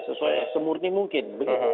sesuai semurni mungkin